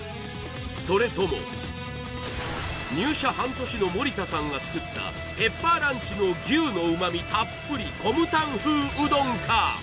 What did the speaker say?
それとも入社半年の森田さんが作ったペッパーランチの牛の旨味たっぷりコムタン風うどんか？